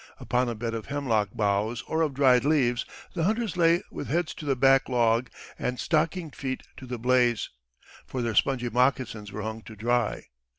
Upon a bed of hemlock boughs or of dried leaves the hunters lay with heads to the back log and stockinged feet to the blaze, for their spongy moccasins were hung to dry.